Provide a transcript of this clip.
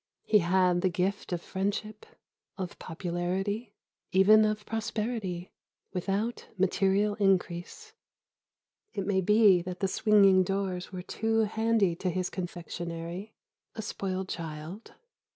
He had the gift of friendship, of popularity, even of prosperity ... without material increase. It may be that the swinging doors were too handy to his confectionery ... a spoiled child